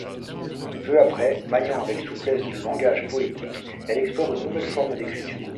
Peu après, maniant avec souplesse le langage poétique, elle explore une nouvelle forme d'écriture.